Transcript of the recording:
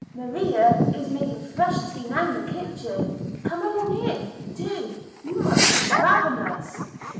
Maria is making fresh tea now in the kitchen. Come along in do; you must be ravenous."